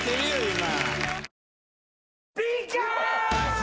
今。